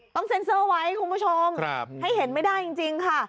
ต้องเซ็นเซอร์ไว้คุณผู้ชมให้เห็นไม่ได้จริงค่ะ